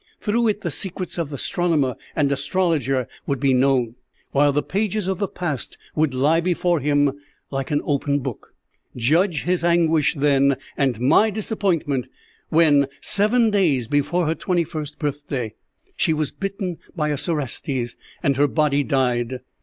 Through it the secrets of astronomer and astrologer would be known, while the pages of the past would lie before him like an open book. "Judge his anguish then, and my disappointment, when, seven days before her twenty first birthday, she was bitten by a cerastes, and her body died.